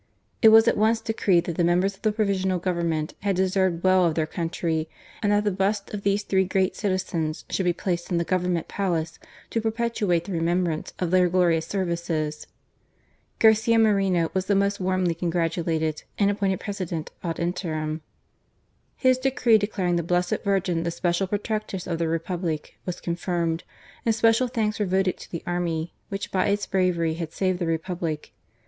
It was at once decreed that the members of the Provisional Government had deserved well of their country, and that the busts of these three great citizens should be placed in the Government Palace to perpetuate the remem brance of their glorious services. Garcia Moreno was the most warmly congratulated, and appointed President ad interim. His decree declaring the Blessed Virgin the special Protectress of the Re public, was confirmed, and special thanks were voted to the army, which by its bravery had saved the Republic.